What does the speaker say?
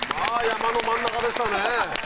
山の真ん中でしたね